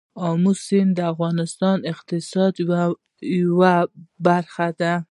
آمو سیند د افغانستان د اقتصاد یوه برخه ده.